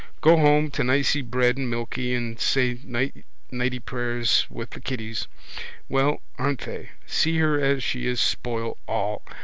Go home to nicey bread and milky and say night prayers with the kiddies. Well, aren't they? See her as she is spoil all.